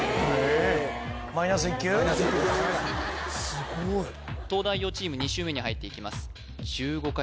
すごい東大王チーム２周目に入っていきます